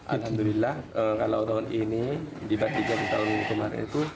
alhamdulillah kalau tahun ini dibandingkan tahun kemarin itu